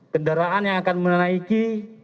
kendaraan yang akan menaiki